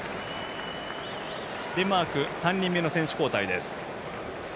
デンマーク３人目の選手交代です。